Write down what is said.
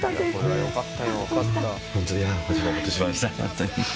よかった。